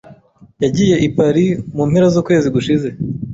Yagiye i Paris mu mpera z'ukwezi gushize.